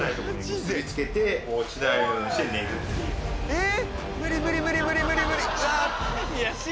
えっ！